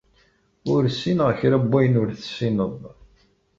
Ur ssineɣ kra n wayen ur tessineḍ.